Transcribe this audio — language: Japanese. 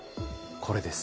これです。